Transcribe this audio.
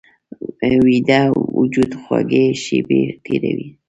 ویده وجود خوږې شیبې تېروي